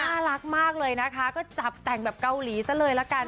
น่ารักมากเลยนะคะก็จับแต่งแบบเกาหลีซะเลยละกัน